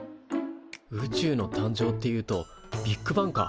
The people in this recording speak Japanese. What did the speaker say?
宇宙の誕生っていうとビッグバンか。